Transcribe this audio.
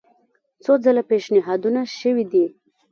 څو ځله پېشنهادونه شوي دي.